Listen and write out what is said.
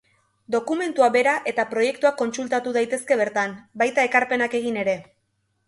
Dokumentua bera eta proiektuak kontsultatu daitezke bertan, baita ekarpenak egin ere.